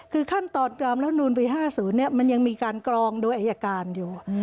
คือขั้นตอนตามรับนูลปี๕๐มันยังมีการกรองโดยอายการอยู่